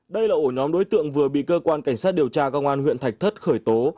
đây là ổ nhóm đối tượng vừa bị cơ quan cảnh sát điều tra công an huyện thạch thất khởi tố